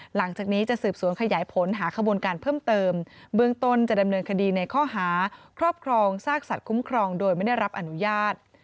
หลังจากนี้จะสืบสวนขยายผลหาขบวนการเพิ่มเติมเบื้องต้นจะดำเนินคดีในข้อหาครอบครองซากสัตว์คุ้มครองโดยไม่ได้รับอนุญาต